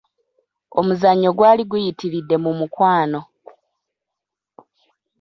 Omuzannyo gwali guyitiridde mu mukwano.